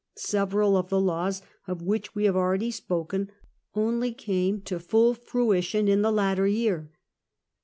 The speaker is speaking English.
Several of the laws of which we have already spoken only came to full fruition in the latter year.